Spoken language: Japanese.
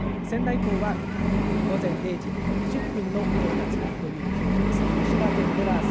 仙台港は午前０時２０分の到達という表示です。